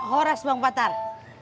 horas bang patar